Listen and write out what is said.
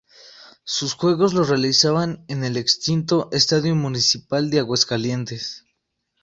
Sus juegos los realizaban en el extinto "Estadio Municipal de Aguascalientes".